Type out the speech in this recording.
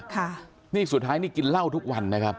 ค่ะนี่สุดท้ายนี่กินเหล้าทุกวันนะครับ